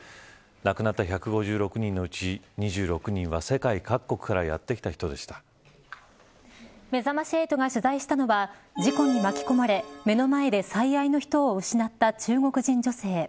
亡くなった１５６人のうち２６人は世界各国からめざまし８が取材したのは事故に巻き込まれ目の前で最愛の人を失った中国人女性。